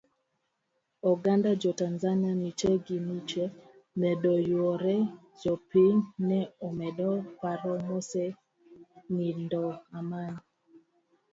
Oganda jo tanzania miche gimiche medo yuoro jopiny ne omedo paro mosenindo Amani.